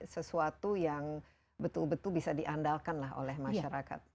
sesuatu yang betul betul bisa diandalkan lah oleh masyarakat